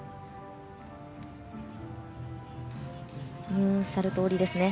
ムーンサルト下りですね。